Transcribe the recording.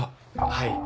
はい。